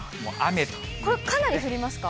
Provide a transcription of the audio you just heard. これ、かなり降りますか。